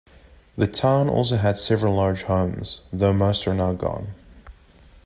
The town also had several large homes, though most are now gone.